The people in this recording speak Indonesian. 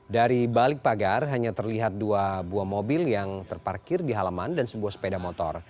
dari balik pagar hanya terlihat dua buah mobil yang terparkir di halaman dan sebuah sepeda motor